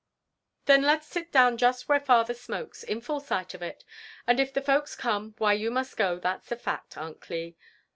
Then let's sit down just where father smokes, in full sight of it ; and if the folks come, why you must go, that's a fad, Aunt Cii.